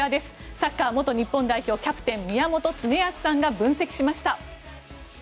サッカー元日本代表キャプテン宮本恒靖さんが分析しました。